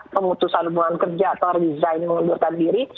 pemutusan hubungan kerja atau resign mengundurkan diri